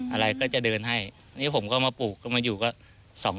อะไรก็จะเดินให้นี่ผมก็มาปลูกก็มาอยู่ก็